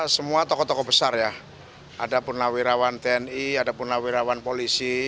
semua tokoh tokoh besar ya ada pun lawirawan tni ada pun lawirawan polisi